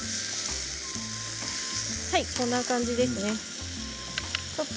こんな感じですね。